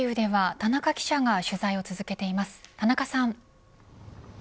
田中さん。